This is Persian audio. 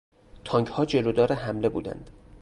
تانکها جلودار حمله بودند.